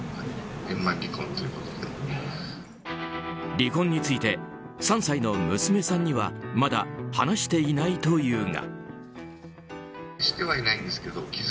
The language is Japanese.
離婚について３歳の娘さんにはまだ話していないというが。